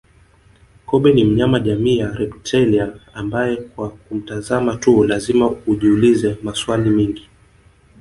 Kobe ni mnyama jamii ya reptilia ambaye kwa kumtazama tu lazima ujiulize maswali mengi